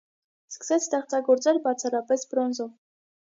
Սկսեց ստեղծագործել բացառապես բրոնզով։